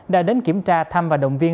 đã đến kiểm tra thăm và động viên